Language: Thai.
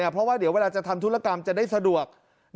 เพราะว่าเดี๋ยวเวลาจะทำธุรกรรมจะได้สะดวก